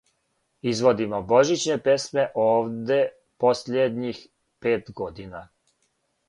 Изводимо божићне песме овде последњих пет година.